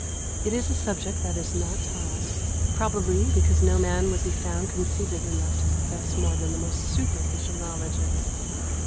It is a subject that is not taught, probably because no man would be found conceited enough to profess more than the most superficial knowledge of it.